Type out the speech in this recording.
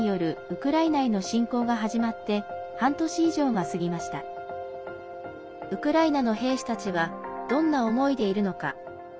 ウクライナの兵士たちはどんな思いでいるのか。